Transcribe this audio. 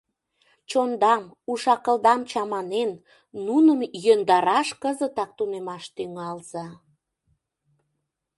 Чондам, уш-акылдам чаманен, нуным йӧндараш кызытак тунемаш тӱҥалза...